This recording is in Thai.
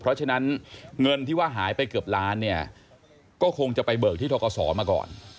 เพราะฉะนั้นเงินที่ว่าหายไปเกือบล้านเนี่ยก็คงจะไปเบิกที่ทกศมาก่อน